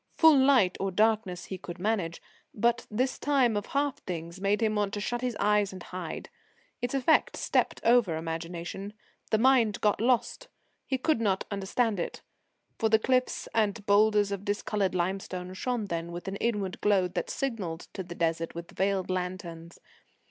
Full light or darkness he could manage, but this time of half things made him want to shut his eyes and hide. Its effect stepped over imagination. The mind got lost. He could not understand it. For the cliffs and boulders of discoloured limestone shone then with an inward glow that signalled to the Desert with veiled lanterns.